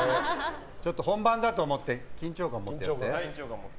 本番だと思って緊張感持ってやって。